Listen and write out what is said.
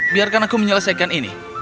biarkan aku menyelesaikan ini